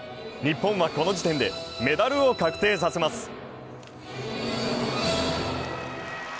日本はこの時点でメダルを確定させます。